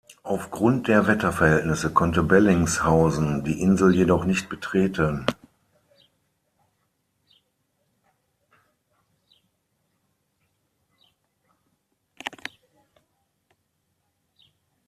Aufgrund der Wetterverhältnisse konnte Bellingshausen die Insel jedoch nicht betreten.